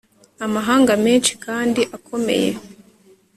amahanga menshi kandi akomeye